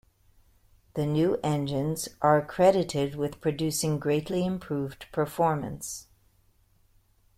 The new engines are accredited with producing greatly improved performance.